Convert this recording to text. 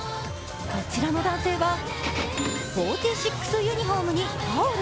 こちらの男性は４６ユニフォームにタオル。